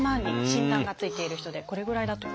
診断がついている人でこれぐらいだと。